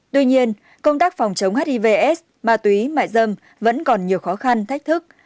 tuy nhiên công tác phòng chống hiv s ma túy mại dâm vẫn còn nhiều khó khăn thách thức